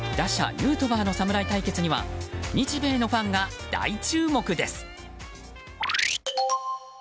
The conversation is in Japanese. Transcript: ヌートバーの侍対決には日米のファンが大注目です。